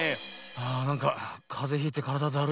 あなんかかぜひいてからだだるい。